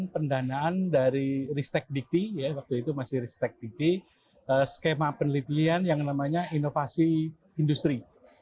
pendanaan dari ristek dikti waktu itu masih ristek dikti skema penelitian yang namanya inovasi industri